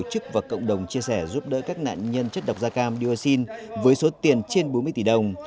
tổ chức và cộng đồng chia sẻ giúp đỡ các nạn nhân chất độc da cam dioxin với số tiền trên bốn mươi tỷ đồng